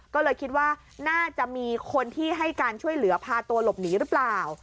ก็เลยคิดว่าน่าจะมีคนที่ให้การช่วยเหลือพาตัวหลบหนีหรือเปล่า